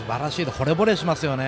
ほれぼれしますね。